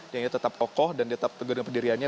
yang tetap kokoh dan tetap bergurau pendiriannya